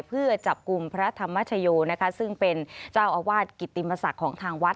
เพื่อจับกลุ่มพระธรรมชโยนะคะซึ่งเป็นเจ้าอาวาสกิติมศักดิ์ของทางวัด